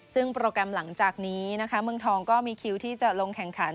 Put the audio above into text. ซึ่งโปรแกรมหลังจากนี้นะคะเมืองทองก็มีคิวที่จะลงแข่งขัน